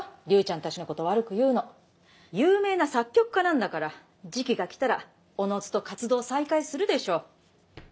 龍ちゃんたちのこと悪く言うの有名な作曲家なんだから時期が来たらおのずと活動再開するでしょ